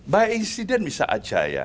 by insident bisa aja ya